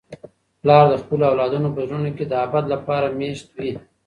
پلار د خپلو اولادونو په زړونو کي د ابد لپاره مېشت وي.